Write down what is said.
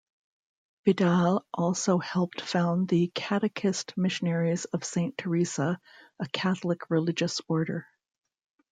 Vidal also helped found the Catechist Missionaries of Saint Theresa, a Catholic religious order.